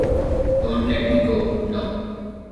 don’t let me go. no